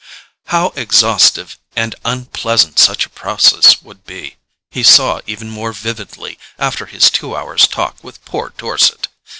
How exhaustive and unpleasant such a process would be, he saw even more vividly after his two hours' talk with poor Dorset.